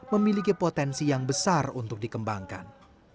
memiliki potensi yang besar untuk dikembangkan